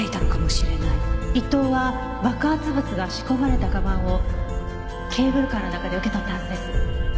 伊藤は爆発物が仕込まれた鞄をケーブルカーの中で受け取ったはずです。